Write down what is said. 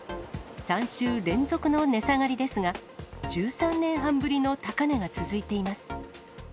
３週連続の値下がりですが、１３年半ぶりの高値が続いています。